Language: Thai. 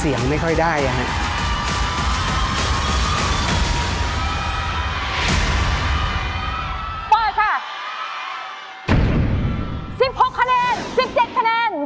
ช่วยฝังดินหรือกว่า